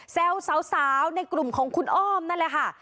แซวสาวในกลุ่มของคุณอ้อมนั่นแหละค่ะ